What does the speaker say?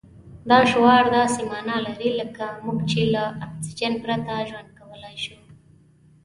دا شعار داسې مانا لري لکه موږ چې له اکسجن پرته ژوند کولای شو.